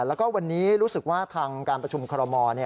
แล้วก็วันนี้รู้สึกว่าทางการประชุมคอรมอล